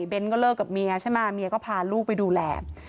ก็เลิกกับเมียใช่ไหมเมียก็พาลูกไปดูแล